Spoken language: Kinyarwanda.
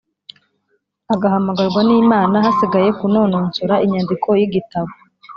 agahamagarwa n’Imana hasigaye kunononsora inyandiko y’igitabo.